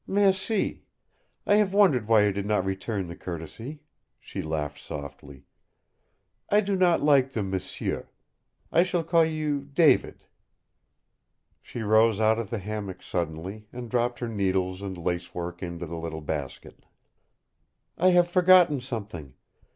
"Merci! I have wondered why you did not return the courtesy," she laughed softly. "I do not like the m'sieu. I shall call you 'David'!" She rose out of the hammock suddenly and dropped her needles and lace work into the little basket. "I have forgotten something.